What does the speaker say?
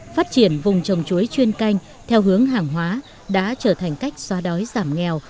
phát triển vùng trồng chuối chuyên canh theo hướng hàng hóa đã trở thành cách xóa đói giảm nghèo